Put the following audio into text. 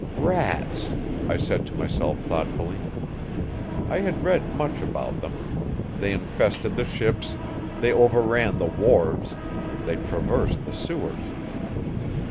'Rats,' I said to myself thoughtfully. I had read much about them. They infested the ships, they overran the wharves, they traversed the sewers.